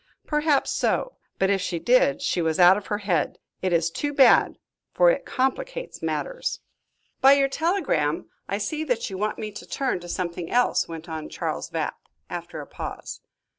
"Perhaps so, but if she did she was out of her head. It is too bad, for it complicates matters." "By your telegram I see that you want me to turn to something else," went on Charles Vapp, after a pause.